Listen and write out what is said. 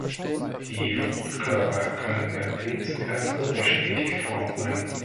Die Fruchtkörper können bei Pilzen ganz unterschiedlich geformt sein.